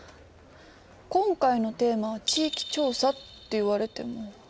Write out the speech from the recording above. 今回のテーマは「地域調査」って言われても。